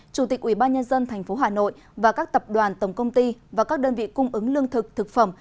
chủ tịch ubnd tp hà nội và các tập đoàn tổng công ty và các đơn vị cung ứng lương thực thực phẩm